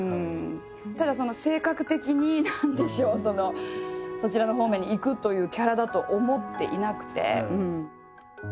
ただ性格的に何でしょうそちらの方面にいくというキャラだと思っていなくて。